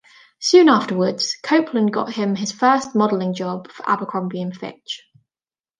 Soon afterwards, Copeland got him his first modeling job for Abercrombie and Fitch.